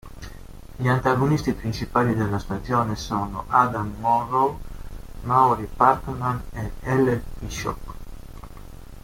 Gli antagonisti principali della stagione sono Adam Monroe, Maury Parkman e Elle Bishop.